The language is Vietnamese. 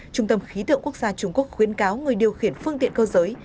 trung tâm khí tượng quốc gia trung quốc khuyến cáo người điều khiển phương tiện cơ giới